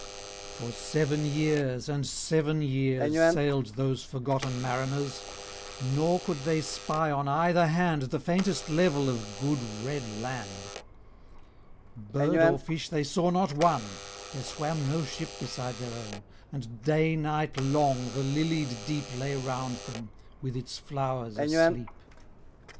For seven years and seven years Sailed those forgotten mariners, Nor could they spy on either hand The faintest level of good red land. Bird or fish they saw not one; There swam no ship beside their own, And day night long the lilied Deep Lay round them, with its flowers asleep.